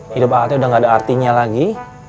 hidup a a udah gak ada artinya lagi